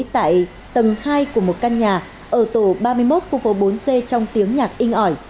tại tầng hai của một căn nhà ở tổ ba mươi một khu phố bốn c trong tiếng nhạc in ỏi